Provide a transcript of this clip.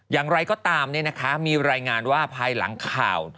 อย่างไรก็ตามมีรายงานว่าภายหลังข่าว